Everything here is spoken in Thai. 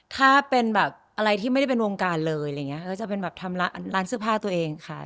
ถ้าเป็นแบบอะไรที่ไม่ได้เป็นวงการเลยอะไรอย่างนี้ก็จะเป็นแบบทำร้านเสื้อผ้าตัวเองค่ะ